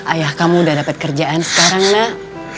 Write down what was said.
ayah kamu udah dapet kerjaan sekarang nak